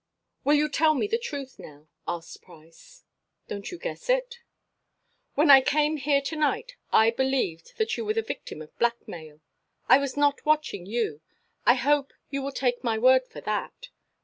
"Will you tell me the truth now?" asked Price. "Don't you guess it?" "When I came here to night I believed that you were the victim of blackmail. I was not watching you I hope you will take my word for that.